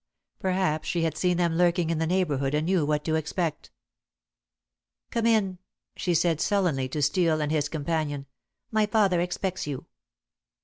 Perhaps she had seen them lurking in the neighborhood and knew what to expect. "Come in," she said sullenly to Steel and his companion. "My father expects you."